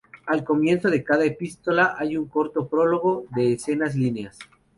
Al comienzo de cada epístola hay un corto prólogo de escasas líneas.